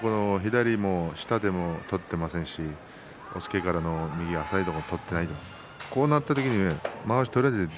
左で下手も取っていませんし押っつけからの右の浅いところを取っていない